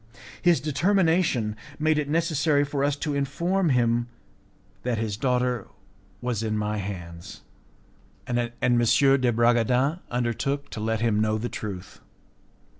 His determination made it necessary for us to inform him that his daughter was in my hands, and M. de Bragadin undertook to let him know the truth.